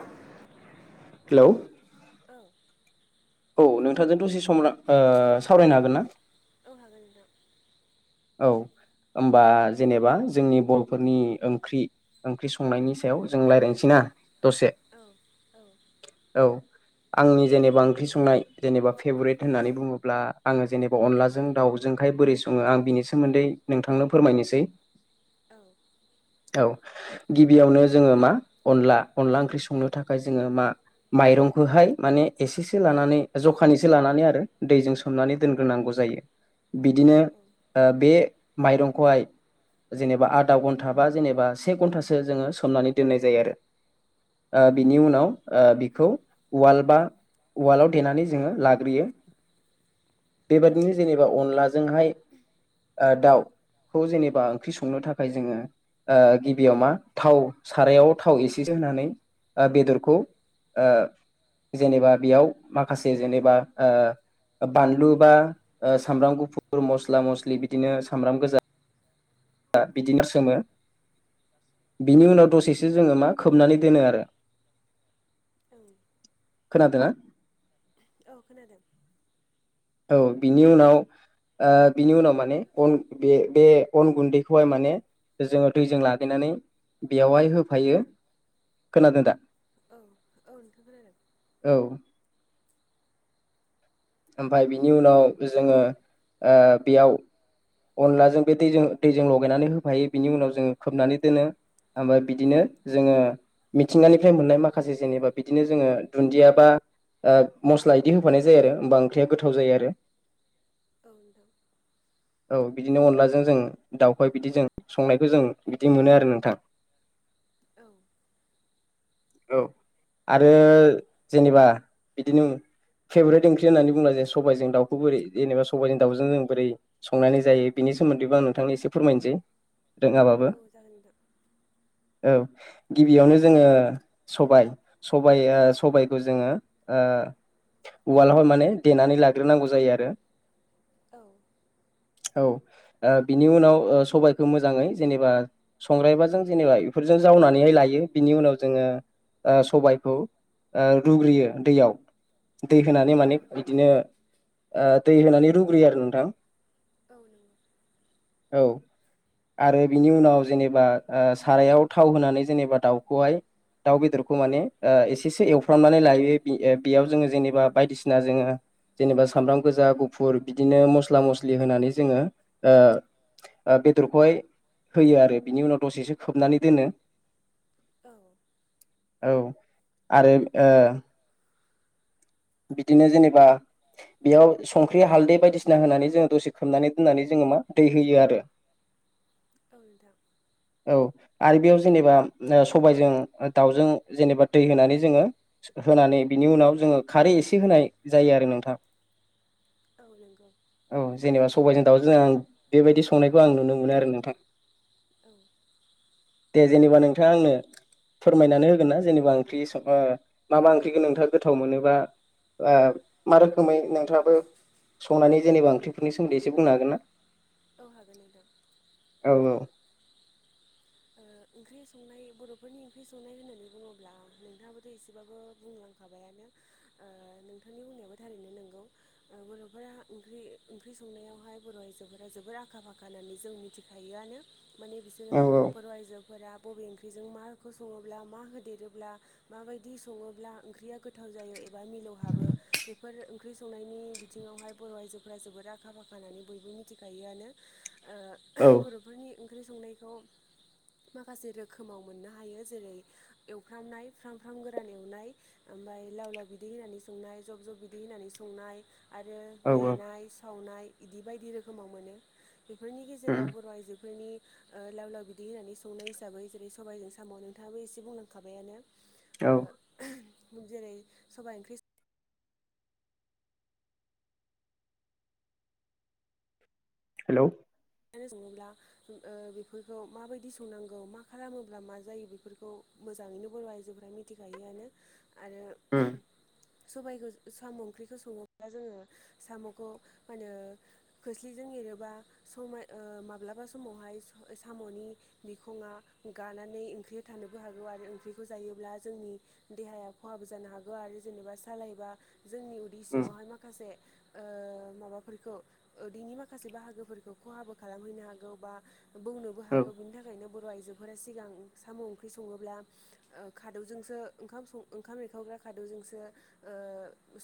[inaudible] Hello औ अ नोंथांजों दसे सम ला ओ सावरायनो हागोन ना? [inaudible] औ। ओमबा जेनेबा जोंनि बर'फोरनि ओंख्रि ओंख्रि संनायनि सायाव जों रायज्लायनोसै ना दसे औ औ औ आंनि जेनेबा ओंख्रि संनाय जेनेबा फेभरेट होननानै बुङोब्ला आङो जेनेबा अनलाजों दाउजोंखाय बोरै सङो आं बिनि सोमोन्दै नोंथांनो फोरमायनोसै। औ औ गिबियावनो जोङो मा अनला अनला ओंख्रि संनो थाखाय जोङो मा माइरंखौहाय माने एसेसो लानानै जखानिसो लानानै आरो दैजों सोमनानै दोनग्रोनांगौ जा जायो औ बिदिनो औ बे माइरंखौहाय जेनेबा आदा घन्टा बा जेनेबा से घन्टासो जोङो सोमनानै दोननाय जायो आरो। ओ नोंथां बिनि उनाव ओ बिखौ उवाल बा उवालाव देनानै जोङो लाग्रोयो। औ बेबादिनो जेनेबा अनलाजोंहाय ओ दाउ। खौ जेनेबा ओंख्रि संनो थाखाय जोङो ओ गिबियाव मा थाव सारायाव थाव एसेसो होनानै ओ बेदरखौ। ओ जेनेबा बेयाव माखासे जेनेबा ओ ओ बानलु बा ओ सामब्राम गुफुर मस्ला मस्लि बिदिनो सामब्राम गोजा। दा बिदिनो सोमो। बिनि औ उनाव दसेसो जोङो मा खोबनानै दोनो आरो। औ। खोनादोंना? औ खोनादों। औ बिनि उनाव ओ बिनि उनाव माने अन बे-बे अन गुन्दैखौहाय माने। जोङो दैजों लागायनानै बेयावहाय होफायो। खोनादों दा? औ-औ नोंथां खोनादों। औ ओमफ्राय बिनि उनाव जोङो ओ बेयाव। अनलाजों बे दैजों-दैजों लगायनानै होफायो बिनि उनाव जोंङो खोबनानै दोनो। खामो बिदिनो जोङो मिथिंगानिफ्राय मोननाय माखासे जेनेबा बिदिनो जोङो दुन्दिया बा ओ मस्ला इदि होफानाय जायो आरो होमबा ओंख्रिया गोथाव जायो आरो। औ दं। औ बिदिनो अनलाजों जों दावखौहाय बिदि जों संनायखौ जों बिदि मोनो आरो नोंथां। [unintelligible] औ। औ आरो जेनेबा बिदिनो फेभरेट ओंख्रि होननानै बुंनाय जायो सबायाइजों दाउखौ बोरै जेनेबा सबाइजों दाउजों जों बोरै संनानै जायो बेनि सोमोन्दैबो आं नोंथांनि एसे फोरमायनोसै रोङाबाबो। नंगौ औ नोंथां औ गिबियावनो जोङो सबाय-सबाय ओ सबायाइखौ जोङो उवालावहाय माने देनानै लाग्रोनांगौ जायो आरो। औ। औ ओ बिनि उनाव ओ सबायखौ मोजाङै जेनेबा संग्रायबाजों जेनेबा बेफोर जों जावनानैहाय लायो बिनि उनाव जोङो ओ सबायखौ ओ रुग्रोयो दैयाव। दै होनानै माने बिदिनो ओ दै होनानै रुग्रोयो आरो नोंथां। औ नंगौ। औ। आरो बिनि उनाव जेनेबा ओ सारायाव थाव होनानै जेनेबा दाउखौहाय। दाउ बेदरखौ माने ओ एसेसो एवफ्रामनानै लायो बे ओ बेयाव जोङो जेने बा बायदिसिना जोङो जेनेबा सामब्राम गोजा गुफुर बिदिनो मस्ला-मस्लि होनानै जोङो ओ ओ बेदरखौहाय होयो आरो बिनि उनाव दसेसो खोबनानै दोनो। औ। औ आरो ओ बिदिनो जेनेबा बेयाव संख्रि हालदै बायदिसिना होनानै जोङो दसे खोबनानै दोननानै जों खोमो दै होयो आरो। औ नोंथां। औ आरो बेयाव जेनेबा सबायजों दाउजों जेनेबा दै होनानै जोङो होन नानै बिनि उनाव जोङो खारै एसे होनाय जायो आरो नोंथां। औ नंगौ। सबायाइजों दावजों आं बेबायदि संनायखौ आं नुनो मोनो आरो नोंथां। दे जेनेबा नोंथाङा आंनो फोरमायनानै होगोन ना जेनेबा ओंख्रि स मा मा बा ओंख्रिखौ नोंथाङा गोथाव मोनो बा मा रोखोमै नोंथाङाबो संनानै जेनेबा ओंख्रिफोरनि सोमोन्दै एसे बुंनो हागोन ना? औ हागोन नोंथां। औ औ ओ [inaudible] ओंख्रि संनाय बर'फोरनि ओंख्रि संनाय होननानै बुङोब्ला नोंथाङाबोथ' एसेबाबो बुंलांखाबायानो ओ नोंथांनि बुंनायाबो थारैनो नंगौ बर'फोरा ओंख्रि ओंख्रि संनायाव हाय बर' आइजोफोरा जोबोर आखा फाखा होननानै जों मिथिखायोआनो माने बिसोरो औ बर' आइजोफोरा बबे ओंख्रिजों माखौ सङोब्ला मा होदेरोब्ला माबायदि सङोब्ला ओंख्रिया गोथाव जायो एबा मिलौहाबो बेफोर ओंख्रि संनायनि बिथिङावहाय बर' आइजोफोरा जोबोद आखा फाखा होनननै बयबो मिथिखायोआनो ओ औ बर'फोरनि ओंख्रि संनायखौ [inaudible] माखासे रोखोमाव मोननो हायो जेरै एवफ्रामनाय फ्राम फ्राम गोरान एवनाय ओमफ्राय लाव लाव बिदै होनानै संनाय जब जब बिदै होनानै संनाय आरो औ औ मेनाय सावनाय बिदि बायदि रोखोमाव मोनो बेफोरनि उम गेजेराव बर' आइजो बेफोरनि ओ लाव लाव बिदै होनानै संनाय हिसाबै जेरै सबाइजों साम' नोंथाङाबो एसे बुंलांखाबायानो औ। जेरै सबाय ओंख्रि हेलौ। संनानै सङोब्ला ओ बेफोरखौ माबायदि संनांगौ मा खालामोब्ला मा जायो बेफोरखौ मो मोजाङैनो बर' आइजोफोरा मिथिखायोआनो आरो उम सबायखौ साम' ओंख्रिखौ सङोब्ला जोङो साम'खौ मा होनो खोस्लिजों एरोबा समाय ओ माब्लाबा समावहाय साम'नि बिखङा गानानै ओंख्रि था नो हागौ आरो ओंख्रिखौ जायोब्ला जोंनि देहाया खहाबो जानो हागौ आरो जेनेबा सालायबा जोंनि उदै उम सिङावहाय माखासे ओ माबाफोरखौ उदैनि माखासे बाहागोफोरखौ खहाबो खालामहैनो हागौ बा बौनोबो औ हागौ बिनि थाखायनो बर' आइजो सिगां साम' ओंख्रि सङोब्ला ओ खादौजोंसो ओंखाम ओंखाम एरखावग्रा खादौजों सो ओ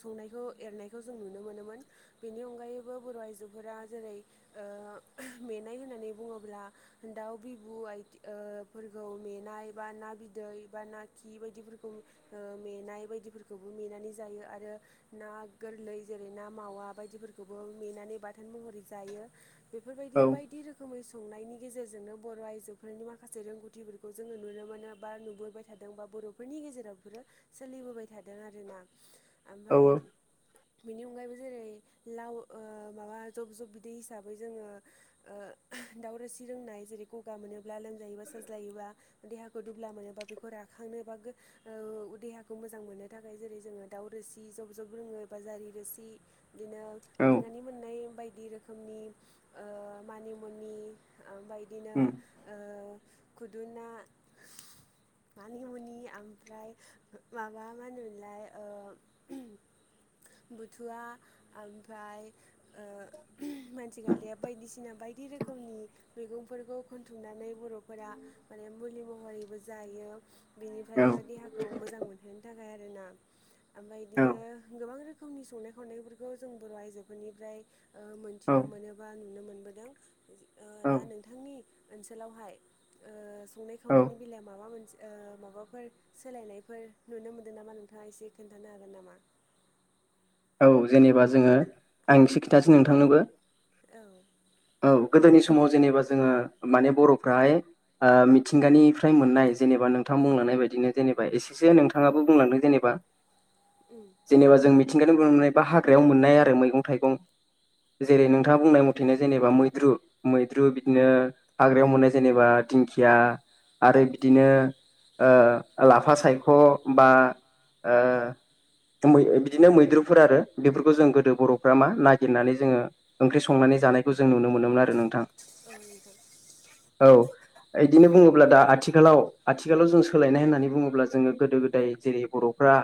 संनायखौ एरनायखौ जों नुनो मोनोमोन बेनि अनगायैबो बर' आइजो जेरै ओ मेनाय होननानै [inaudible] बुङोब्ला दाउ बिबु आथि फोरखौ मेनाय बा ना बिदै बा ना खि बायदिफोरखौ ओ मेनाय बायदिफोरखौबो मेनानै जायो आरो ना गोरलै जेर ना मावा बायदिफोरखौबो मेनानै बाथोन महरै जायो। बेफोरबायदि औ बायदि रोखोमै संनायनि गेजेरजोंनो बर' आइजोफोरनि माखासे रोंगौथिफोरखौ जोङो नुनो मोनो बा नुबोबाय थादों बा बर'फोरनि गेजेराव सोलिबोबाय थादों आरोना। औ ओमफ्राय बिनि अनगायैबो जेरै लाव माबा जब जब बिदै हिसाबै जोङो ओ दाउ रोसि लोंनाय जेरै गगा मोनोब्ला लोमजायोबा साजायोबा देहाखौ दुब्ला मोनोबा बेखौ राखांनो बा ओ देहाखौ मोजां मोननो थाखाय जेरै जोङो दाउ रोसि जब जब लोङो बा जारि रोसि बिदिनो औ औ बिदिंगानि मोननाय बायदि रोखोमनि मानि मुनि ओम इदिनो उम ओ खुदुना [inaudible] मानिमुनि ओमफ्राय माबा मा होनोमोनलाय ओ बुथुवा ओमफ्राय ओ मानसि खालिया बायदिसिना बायदि रोखोमनि मैगंफोरखौ खुन्थुमनानै बर'फोरा माने मुलि महरैबो जायो। औ बेनिफ्रायनो देहाखौ मोजां मोनहोनो थाखाय आरोना ओमफ्राय बिदिनो गोबां रोखोम नि संनाय खावनायफोरखौ जों बर' आइजोफोरनिफ्राय ओ औ मोनथिनो मोनोबा नुनो मोनबोदों। ओ औ दा नोंथांनि ओनसोलावहाय ओ संनाय औ खावनायनि बेलायाव माबा मोन ओ माबाफोर सोलायनायफोर नुनो मोनदों नामा नोंथाङा एसे खोन्थानो हागोन नामा? औ जेनेबा जोङो आं एसे खिथासै नोंथांनोबो। औ। औ गोदोनि समाव जेनेबा जोङो माने बर'फ्राहाय ओ मिथिंगानिफ्राय मोननाय जेनेबा नोंथां बुंलांनाय बायदिनो जेनेबा एसेसो नोंथाङाबो बुंलांदों जेनेबा उम जेनेबा जों [unintelligible] बा हाग्रायाव मोननाय आरो मैगं-थाइगं जेरै नोंथाङा बुंनाय मथेनो जेनेबा मैद्रु मैद्रु बिदिनो हाग्रायाव मोननाय जेनेबा दिंखिया आरो बिदिनो ओ लाफा सायख' बा ओ [unintelligible] बिदिनो मैद्रुफोर आरो बेफोरखौ जों गोदो बर'फ्रा मा नागिरनानै जोङो ओंख्रि संनानै जानायखौ जों नुनो मोनोमोन आरो नोंथां। औ‌ नंगौ। औ। बिदिनो बुङोब्ला दा आथिखालाव आथिखालाव जों सोलायनाय होननानै बुङोब्ला जोङो गोदो गोदाय जेरै बर' फ्रा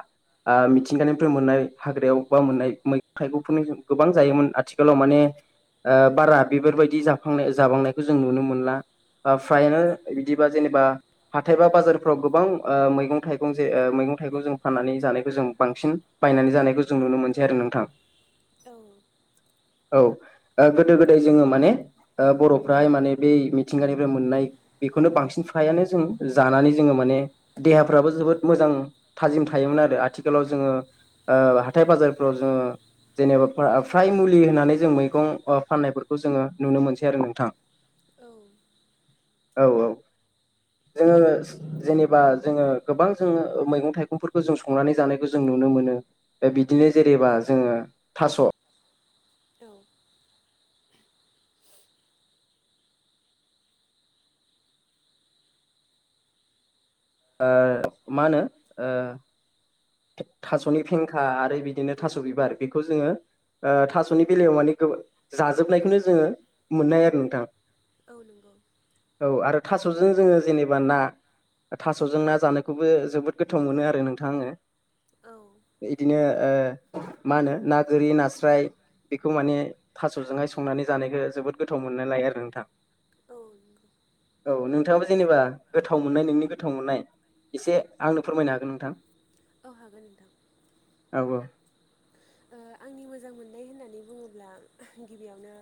ओ मिथिंगानिफ्राय मोननाय हाग्रायाव बा मोननाय मैगं थाइगंफोरनि गोबां जायोमोन आथिखालाव माने ओ बारा बेफोरबायदि जाफांनाय जाबांनायखौ जों नुनो मोनला। ओ फ्रायानो बिदिबा जेनेबा हाथाय बा बाजारफ्राव गोबां ओ मैगं थाइगं जे ओ मैगं थाइग जों फाननानै जानायखौ जों बांसिन बायनानै जानायखौ जों नुनो मोनसै आरो नोंथां। औ। औ ओ गोदो गोदाय जोङो माने ओ बर'फ्राहाय माने बे मिथिंगानिफ्राय मोननाय बेखौनो बांसिन फ्रायानो जों जानानै जोङो माने देहाफ्राबो जोबोद मोजां थाजिम था योमोन आरो आथिखालाव जोङो हाथाय बाजारफ्राव जोङो जेनेबा फा फ्राय मुलि होनानै जों मैगं फाननायफोरखौ जोङो नुनो मोनसै आरो नोंथां। औ। औ औ। जोङो जेनेबा जोङो गोबां जोङो मैगं थाइगंफोरखौ जों संनानै जानायखौ जों नु नुनो मोनो बिदिनो जेरेबा जोङो थास' औ। ओ मा होनो ओ थास'नि फेंखा आरो बिदिनो थास' बिबार बेखौ जोङो ओ थास'नि बेलायाव माने गो जाजोबनायखौनो जोङो मोननाय आरो नोंथां। औ नंगौ। औ आरो थास'जों जोङो जेनेबा ना थास'जों ना जानायखौबो जोबोद गोथाव मोनो आरो नोंथां आङो औ नंगौ बिदिनो ओ मा होनो ना गोरि, नास्राय बेखौ माने थास'जोंहाय संनानै जानायखौ जोबोद गोथाव मोनना लायो आरो नोंथां। औ नगौ। औ नोंथाङाबो जेनेबा गोथाव मोननाय नोंनि गोथाव मोननाय एसे आंनो फोरमायनो हागोन नोंथां। औ हागोन नोंथां। ओ बुं। ओ आंनि मोजां मोननाय होननानै बुङोब्ला गिबियावनो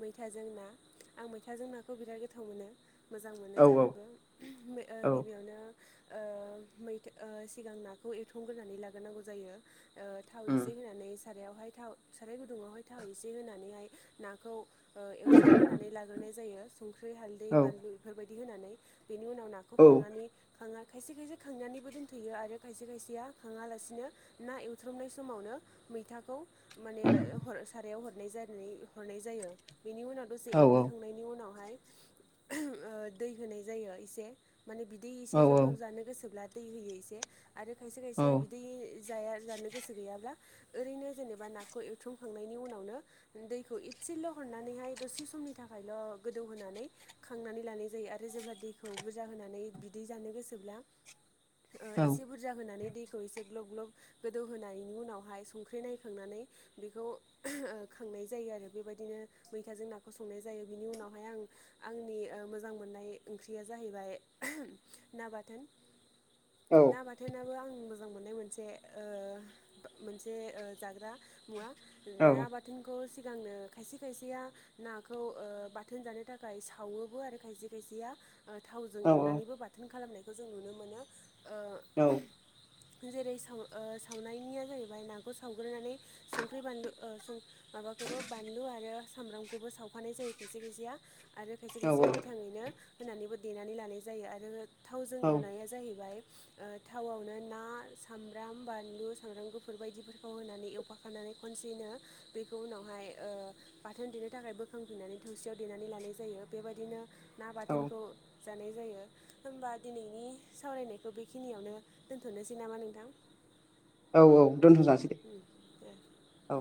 मैथाजों ना। आं मैथाजों नाखौ बिराद गोथाव मोनो मोजां मोनो औ जानोबो ओ औ गिबियावनो ओ मै ओ सिगां नाखौ एरथंग्रोनानै लाग्रोनांगौ जायो ओ थाव उम एसे होनानै सारायावहाय थाव साराय गुदुङावहाय थाव एसे होनानैहाय नाखौ ओ एवथ्रोमग्रोनानै लाग्रोनाय जायो संख्रि हालदै औ बानलु बेफोरबायदि होनानै। बेनि उनाव नाखौ औ खांनानै खायसे खायसे खांनानैबो दोनथ'यो आरो खायसे खायसेया खाङालासिनो ना एवथ्रमनाय सम समावनो मैथाखौ माने हर सारायाव हरनाय जानानै हरनाय जायो। बेनि उनाव दसे औ एग्लिखांनायनि उनावहाय ओ दै होनाय जायो एसे। माने बिदै एसे औ औ जब जब जानो गोसोब्ला दै होयो एसे। आरो खायसे औ खायसेया बिदि जाया जानो याब्ला ओरैनो जेनेबा नाखौ एवथ्रमखांनायनि उनावनो दैखौ इथसेल' हरनानैहाय द से समनि थाखायल' गोदौ होननानै खांनानै लानाय जायो आरो जेब्ला दैखौ बुरजा होनानै बिदै जानो गोसोब्ला ओ औ एसे बुरजा होननानै दैखौ एसे ग्लब ग्लब गो दौ होनायनि उनावहाय संख्रि नायखांनानै बेखौ खांनाय जायो आरो बेबायदिनो मैथाजों नाखौ संनाय जायो बिनि उनावहाय आं आंनि मोजां मोननाय ओंख्रिया जाहैबाय ना बाथोन ना बाथोनाबो आं मोजां मोननाय मोनसे ओ मोनसे ओ जाग्रा मुवा ना बाथोनखौ सिगांनो खायसे खायसेया नाखौ ओ बाथोन जानो थाखाय सावोबो आरो खायसे खायसेया ओ थावजों एवनानैबो बाथोन खालामनायखौ जों नुनो मोनो। ओ औ जेरै साव ओ सावनायनिया जाहैबाय नाखौ सावग्रोनानै संख्रि बानलु ओ सुं माबाखौबो बानलु आरो सामब्रामखौबो सावफानाय जायो खायसे खायसेया आरो खायसे खायसेया गोथाङैनो होनानैबो देनानै लानाय जायो आरो थावजों औ एवनाया जाहैबाय ओ थावआवनो ना साम ब्राम बानलु सामब्राम गुफुर बायदिफोरखौ होनानै एवफाखानानै खनसेनो बेखौ उनावहाय ओ ओ बाथोन देनो थाखाय बोखांफिननानै थौसियाव देनानै लानाय जायो बेबायदिनो ना बाथोनखौ जानाय जायो होमबा दिनैनि सावरायनायखौ बेखिनियावनो दोनथ'नोसै नामा नोंथां? औ औ दोनथ'जासै दे उम दे। औ